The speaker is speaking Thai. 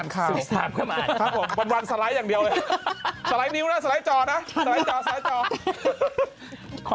ก็พูดไม่น้อยหน้ากันหรอก